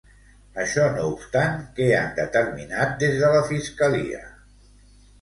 Això no obstant, què han determinat des de la Fiscalia?